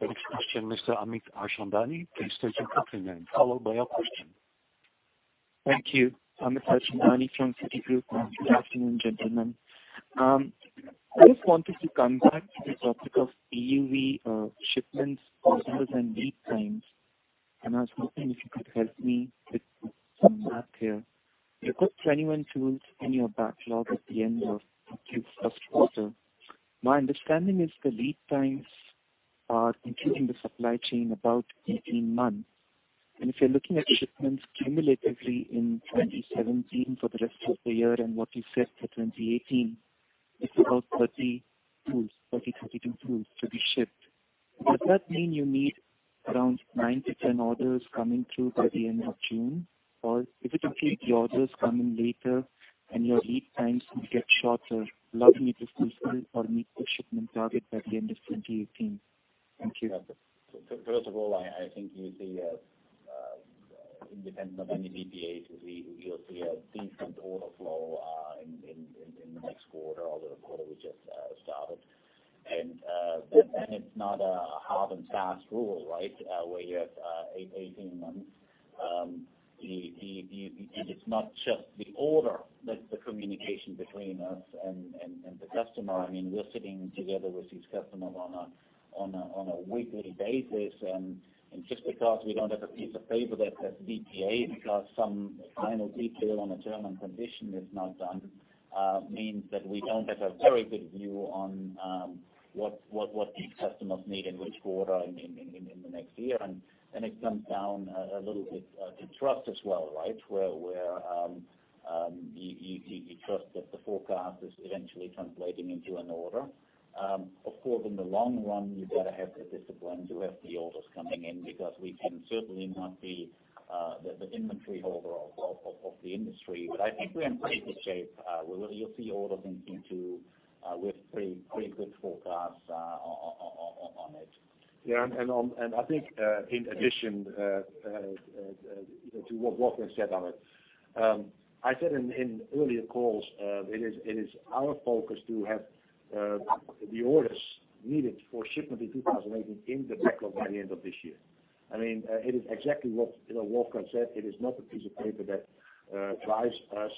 The next question, Mr. Amit Harchandani, please state your company name, followed by your question. Thank you. Amit Harchandani from Citigroup. Good afternoon, gentlemen. I just wanted to come back to the topic of EUV shipments, orders, and lead times. I was hoping you could help me with some math here. You've got 21 tools in your backlog at the end of Q1 quarter. My understanding is the lead times are, including the supply chain, about 18 months. If you're looking at shipments cumulatively in 2017 for the rest of the year and what you said for 2018, it's about 30-32 tools to be shipped. Does that mean you need around 9-10 orders coming through by the end of June? If you complete the orders coming later and your lead times get shorter, allowing you to still meet the shipment target by the end of 2018? Thank you. First of all, I think you'll see, independent of any VPAs, you'll see a decent order flow in the next quarter or the quarter we just started. It's not a hard and fast rule, right? Where you have 18 months. It's not just the order that's the communication between us and the customer. We're sitting together with these customers on a weekly basis. Just because we don't have a piece of paper that says VPA, because some final detail on a term and condition is not done, means that we don't have a very good view on what the customers need in which quarter in the next year. It comes down a little bit to trust as well, right? Where you trust that the forecast is eventually translating into an order. Of course, in the long run, you've got to have the discipline to have the orders coming in, because we can certainly not be the inventory holder of the industry. I think we're in pretty good shape. You'll see orders into with pretty good forecasts on it. Yeah. I think, in addition to what Wolfgang said on it. I said in earlier calls, it is our focus to have the orders needed for shipment in 2018 in the backlog by the end of this year. It is exactly what Wolfgang said. It is not a piece of paper that drives us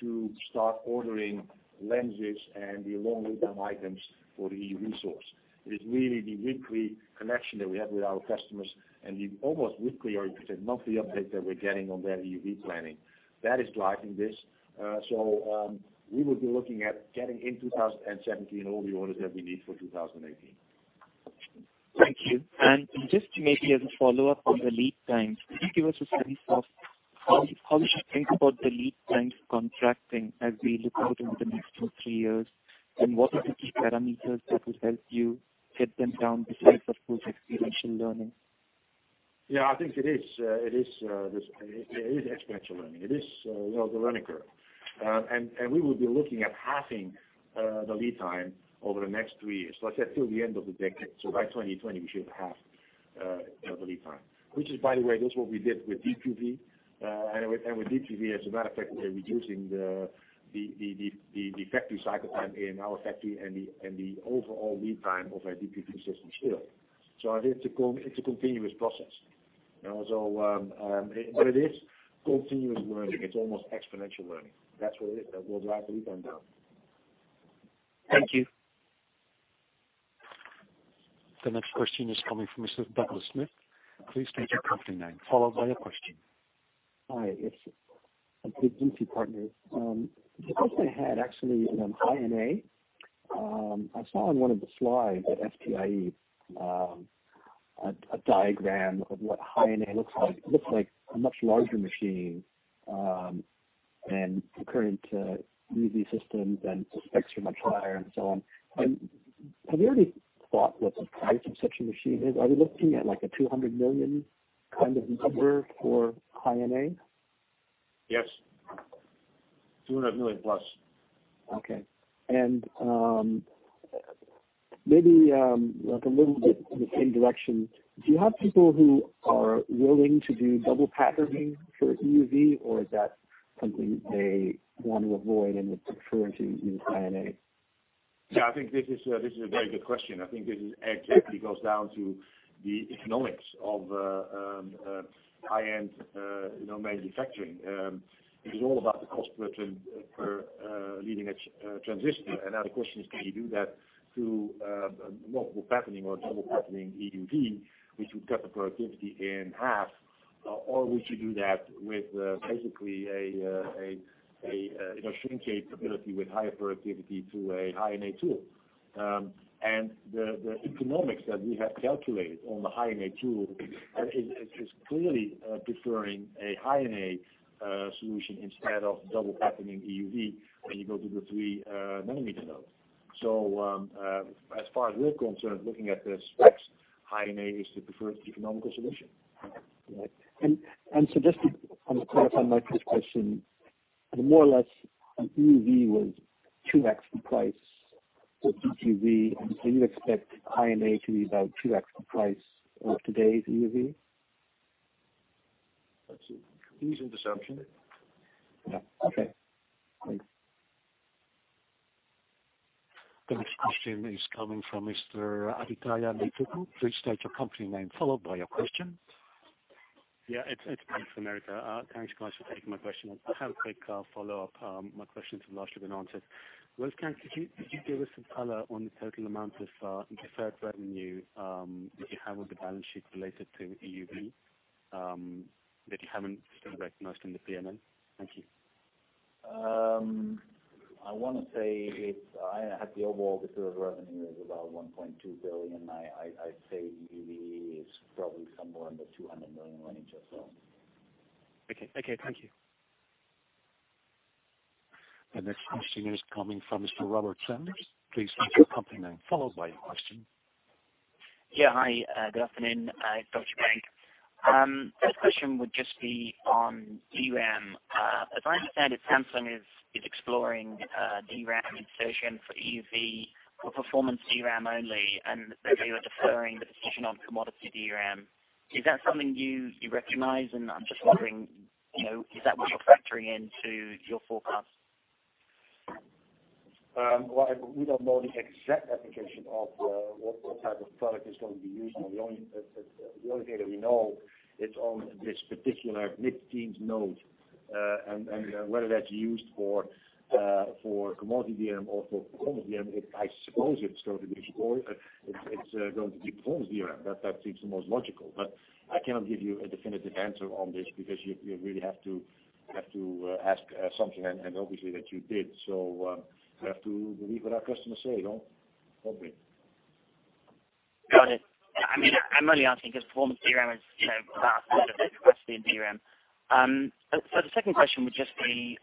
to start ordering lenses and the long-lead-time items for the EUV source. It is really the weekly connection that we have with our customers and the almost weekly, or you could say, monthly update that we're getting on their EUV planning. That is driving this. We will be looking at getting in 2017 all the orders that we need for 2018. Thank you. Just maybe as a follow-up on the lead times, can you give us a sense of how we should think about the lead times contracting as we look out over the next two, three years? What are the key parameters that would help you get them down besides, of course, experiential learning? Yeah, I think it is experiential learning. It is the learning curve. We will be looking at halving the lead time over the next three years. Like I said, till the end of the decade. By 2020, we should have half the lead time. Which is, by the way, this is what we did with DUV. With DUV, as a matter of fact, we're reducing the factory cycle time in our factory and the overall lead time of a DUV system still. It's a continuous process. But it is continuous learning. It's almost exponential learning. That's what it is that will drive the lead time down. Thank you. The next question is coming from Mr. Douglas Smith. Please state your company name, followed by your question. Hi, it's from Deutsche Bank. The question I had actually is on High-NA. I saw on one of the slides at SPIE a diagram of what High-NA looks like. It looks like a much larger machine than the current EUV system, and the specs are much higher and so on. Have you already thought what the price of such a machine is? Are we looking at like a 200 million kind of number for High-NA? Yes. 200 million+. Okay. Maybe a little bit in the same direction. Do you have people who are willing to do double patterning for EUV, or is that something they want to avoid and would prefer to use High-NA? Yeah, I think this is a very good question. I think this exactly goes down to the economics of high-end manufacturing. It is all about the cost per leading-edge transistor. Now the question is, can you do that through multiple patterning or double patterning EUV, which would cut the productivity in half? Would you do that with basically a shrink capability with higher productivity to a High-NA tool? The economics that we have calculated on the High-NA tool is clearly preferring a High-NA solution instead of double patterning EUV when you go to the 3-nanometer node. As far as we're concerned, looking at the specs, High-NA is the preferred economical solution. Right. Just to clarify Mehdi's question, more or less an EUV was 2X the price of DUV. Do you expect High-NA to be about 2X the price of today's EUV? That's a reasonable assumption. Yeah. Okay. Great. The next question is coming from Mr. Adithya Metuku. Please state your company name, followed by your question. Yeah. It's Adithya from Merrill Lynch. Thanks, guys, for taking my question. I have a quick follow-up. My questions have largely been answered. Well, can you give us some color on the total amount of deferred revenue that you have on the balance sheet related to EUV, that you haven't still recognized in the P&L? Thank you. I want to say, I have the overall deferred revenue is about 1.2 billion. I'd say EUV is probably somewhere in the 200 million range or so. Okay. Thank you. The next question is coming from Mr. Robert Sanders. Please state your company name, followed by your question. Yeah. Hi, good afternoon. It's Robert Sanders. First question would just be on DRAM. As I understand it, Samsung is exploring DRAM insertion for EUV for performance DRAM only, that you are deferring the decision on commodity DRAM. Is that something you recognize? I'm just wondering, is that what you're factoring into your forecast? Well, we don't know the exact application of what type of product is going to be used. The only thing that we know it's on this particular mid-teens node, and whether that's used for commodity DRAM or for performance DRAM. I suppose it's going to be performance DRAM, that seems the most logical. I cannot give you a definitive answer on this because you really have to ask Samsung and obviously that you did. We have to believe what our customers say. Probably. Got it. I'm only asking because performance DRAM is about a third of the capacity in DRAM. The second question would just be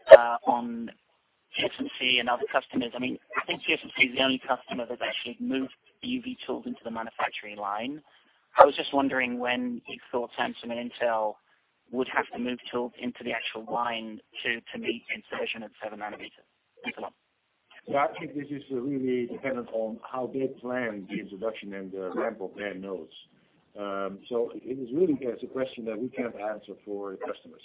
on TSMC and other customers. I think TSMC is the only customer that's actually moved EUV tools into the manufacturing line. I was just wondering when you thought Samsung and Intel would have to move tools into the actual line to meet insertion at 7-nanometer. Thanks a lot. Yeah. I think this is really dependent on how they plan the introduction and the ramp of their nodes. It is really, it's a question that we can't answer for customers.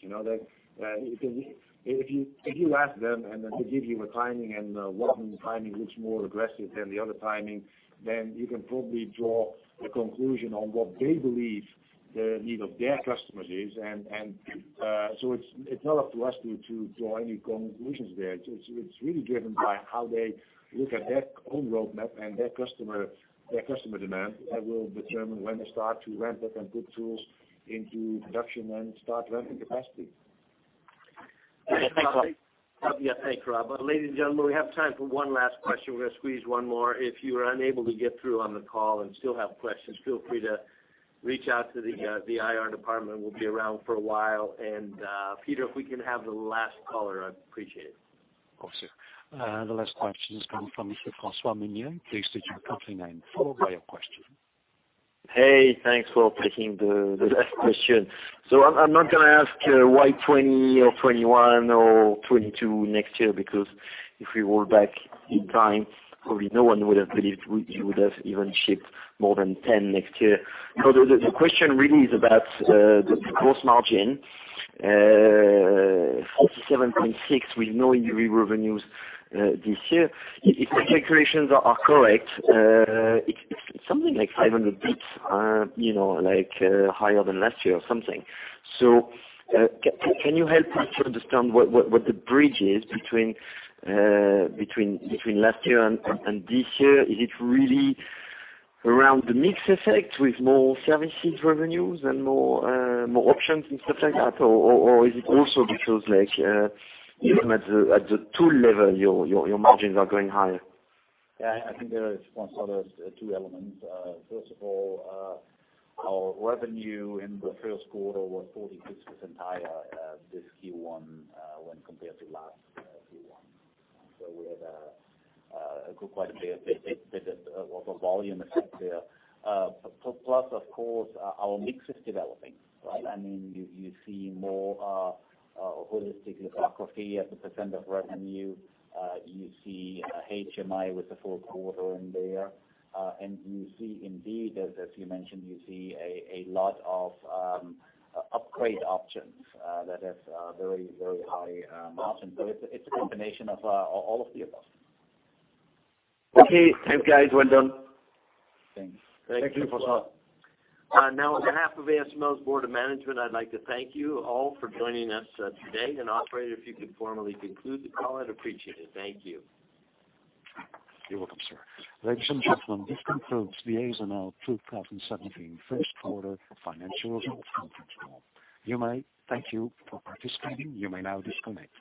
If you ask them and then they give you a timing and one timing looks more aggressive than the other timing, then you can probably draw a conclusion on what they believe the need of their customers is. It's not up to us to draw any conclusions there. It's really driven by how they look at their own roadmap and their customer demand that will determine when they start to ramp up and put tools into production and start ramping capacity. Thanks a lot. Yeah. Thanks, Robert. Ladies and gentlemen, we have time for one last question. We're going to squeeze one more. If you are unable to get through on the call and still have questions, feel free to reach out to the IR department. We'll be around for a while. Peter, if we can have the last caller, I'd appreciate it. Of course, sir. The last question is coming from Mr. François Meunier. Please state your company name, followed by your question. Thanks for taking the last question. I'm not going to ask why 20 or 21 or 22 next year, because if we roll back in time, probably no one would have believed you would have even shipped more than 10 next year. The question really is about the gross margin, 47.6% with no EUV revenues this year. If my calculations are correct, it's something like 500 basis points higher than last year or something. Can you help us to understand what the bridge is between last year and this year? Is it really around the mix effect with more services revenues and more options and stuff like that? Or is it also because even at the tool level, your margins are going higher? I think there, Francois, there's two elements. First of all, our revenue in the first quarter was 46% higher this Q1 when compared to last Q1. We had quite a bit of volume effect there. Plus, of course, our mix is developing, right? You see more holistic lithography as a % of revenue. You see HMI with the full quarter in there. You see indeed, as you mentioned, you see a lot of upgrade options that have very, very high margins. It's a combination of all of the above. Thanks, guys. Well done. Thanks. Thank you, Francois. Now on behalf of ASML's Board of Management, I'd like to thank you all for joining us today. Operator, if you could formally conclude the call, I'd appreciate it. Thank you. You're welcome, sir. Ladies and gentlemen, this concludes the ASML 2017 First Quarter Financial Results Conference Call. Thank you for participating. You may now disconnect.